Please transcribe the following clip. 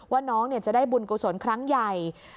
ว่าน้องจะได้บุญกุศลครั้งใหญ่